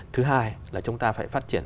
thứ hai là chúng ta phải phát triển